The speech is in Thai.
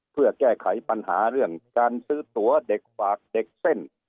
เพื่อแก้ไขปัญหาเรื่องการซื้อตัวเด็กฝากเด็กเส้น